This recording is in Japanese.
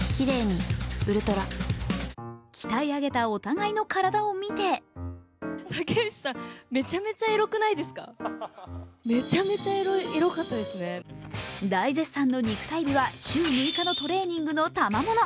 鍛え上げたお互いの体を見て大絶賛の肉体美は週６日のトレーニングのたまもの。